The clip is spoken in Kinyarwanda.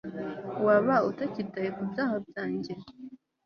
waba utakitaye ku byaha byanjye